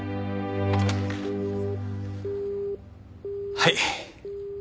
はい。